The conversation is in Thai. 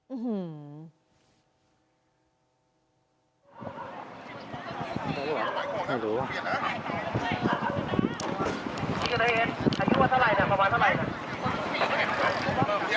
อื้อหือ